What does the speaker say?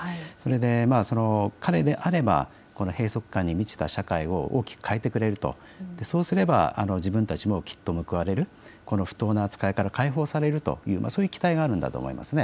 それで彼であれば、閉塞感に満ちた社会を大きく変えてくれる、そうすれば自分たちもきっと報われる、不当な扱いから解放されると、そういう期待があるんだと思います。